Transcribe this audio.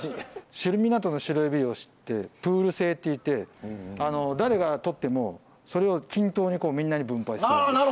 新湊のシロエビ漁師ってプール制っていって誰がとってもそれを均等にみんなに分配するんです。